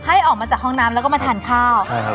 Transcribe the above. ให้ออกมาจากห้องน้ำแล้วก็มาทานข้าว